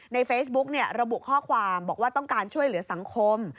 เฟซบุ๊กระบุข้อความบอกว่าต้องการช่วยเหลือสังคม